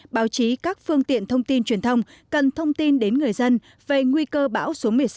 báo chí các phương tiện thông tin truyền thông cần thông tin đến người dân về nguy cơ bão số một mươi sáu